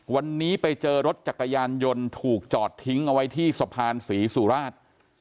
วันนี้ไปเจอรถจักรยานยนต์ถูกจอดทิ้งเอาไว้ที่สะพานศรีสุราช